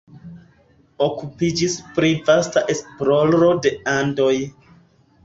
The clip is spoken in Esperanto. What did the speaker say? Okupiĝis pri vasta esploro de Andoj.